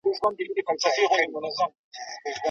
قابلي پلو مشهور خواړه دي.